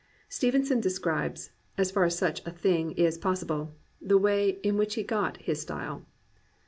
Stevenson describes (as far as such a thing is possible) the way in which he got his style.